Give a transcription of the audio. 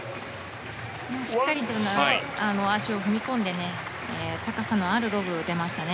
しっかりと足を踏み込んで高さのあるロブが打てましたね。